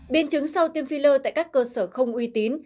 biên chứng sau tiêm phi lơ tại các cơ sở không uy tín